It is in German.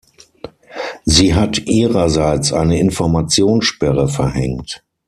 Sie hat ihrerseits eine Informationssperre verhängt.